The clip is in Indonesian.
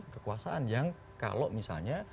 kekuasaan yang kalau misalnya